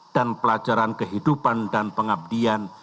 dan pelajaran kehidupan dan pengabdian